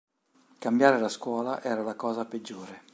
Cambiare la scuola era la cosa peggiore.